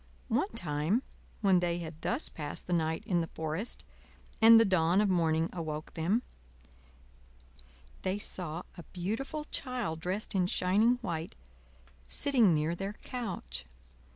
One time when they had thus passed the night in the forest, and the dawn of morning awoke them, they saw a beautiful Child dressed in shining white sitting near their couch.